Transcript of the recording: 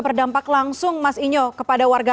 berdampak langsung mas inyo kepada warga